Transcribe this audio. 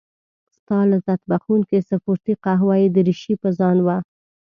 ستا لذت بخښونکې سپورتي قهوه يي دريشي په ځان وه.